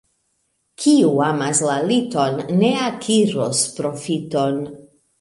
Kiu amas la liton, ne akiros profiton.